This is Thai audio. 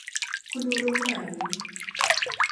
คุณรู้ไหม